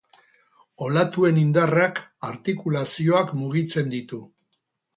Olatuen indarrak artikulazioak mugitzen ditu.